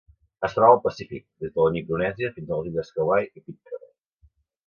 Es troba al Pacífic: des de la Micronèsia fins a les illes Hawaii i Pitcairn.